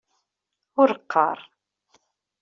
Ur qqar.